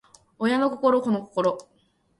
親の心子の心